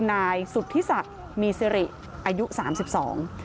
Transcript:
นายสุธิสัต์มีซิริย์อายุสามสิบสอง